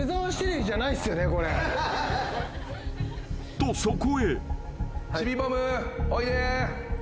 ［とそこへ］